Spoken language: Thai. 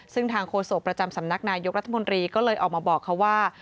ซึ่งทางโฆษกประจำสำนักนายกรัฐมนตรีก็เลยออกมาบอกเขาว่า